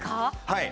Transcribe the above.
はい。